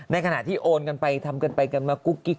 ในขณะที่โอนกันไปทำกันไปกันมากุ๊กกิ๊ก